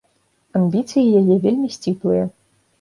Амбіцыі яе вельмі сціплыя.